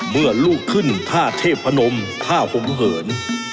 เมื่อลูกขึ้นท่าเทพนมท่าห่มเหิน